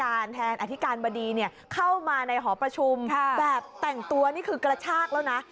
แทนอธิการบดีเข้ามาในหอประชุมแบบแต่งตัวนี่คือกระชากแล้วนะ